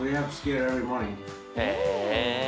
へえ。